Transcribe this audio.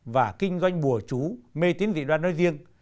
và kinh doanh bùa chú mê tín dị đoan nói riêng